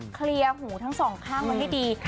เคลียร์หูทั้งสองข้างมันให้ดี